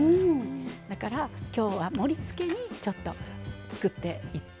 だから今日は盛りつけにちょっと作っていって。